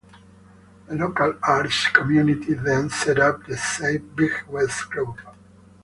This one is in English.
The local arts community then set up the Save Big West group.